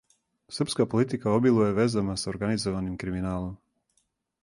Српска политика обилује везама са организованим криминалом.